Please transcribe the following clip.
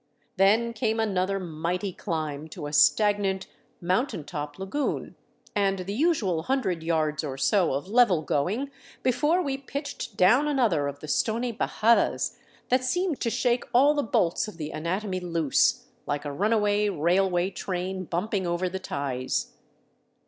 Then came another mighty climb to a stag nant, mountain top lagoon, and the usual hundred yards or so of level going before we pitched down another of the stony hajadas that seem to shake all the bolts of the anatomy loose, like a runaway railway train bumping over the ties.